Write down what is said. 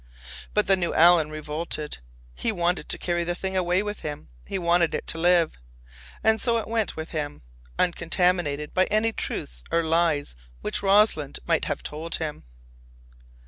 But the new Alan revolted. He wanted to carry the thing away with him, he wanted it to live, and so it went with him, uncontaminated by any truths or lies which Rossland might have told him.